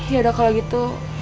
yaudah kalau gitu